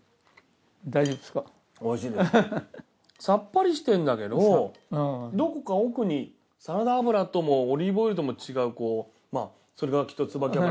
さっぱりしてんだけどどこか奥にサラダ油ともオリーブオイルとも違うまあそれがきっと椿油。